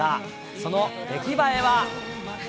その出来栄えは？